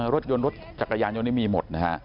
รถยนต์รถจักรยานยนต์นี้มีหมด